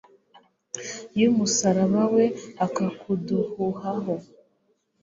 y'umusaraba we, akakuduhaho